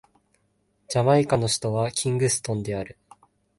ジャマイカの首都はキングストンである